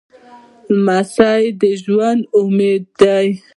لمسی د ژوند امید دی.